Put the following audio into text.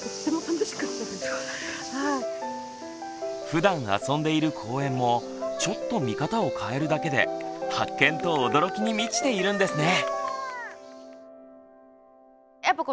ふだんあそんでいる公園もちょっと見方を変えるだけで発見と驚きに満ちているんですね。